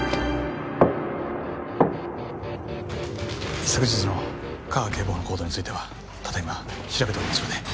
一昨日の架川警部補の行動についてはただ今調べておりますので。